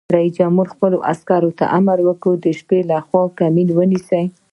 رئیس جمهور خپلو عسکرو ته امر وکړ؛ د شپې لخوا کمین ونیسئ!